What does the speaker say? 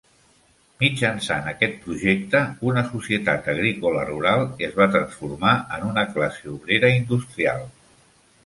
Mitjançant aquest projecte, una societat agrícola rural es va transformar en una classe obrera industrial.